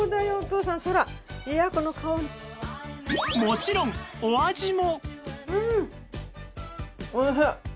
もちろんお味も